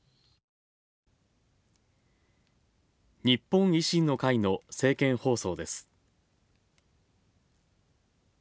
日本維新の会の政見放送です。